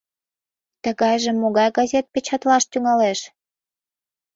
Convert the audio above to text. — Тыгайжым могай газет печатлаш тӱҥалеш?